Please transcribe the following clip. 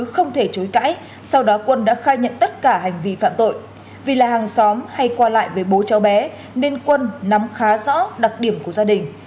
không thể chối cãi sau đó quân đã khai nhận tất cả hành vi phạm tội vì là hàng xóm hay qua lại với bố cháu bé nên quân nắm khá rõ đặc điểm của gia đình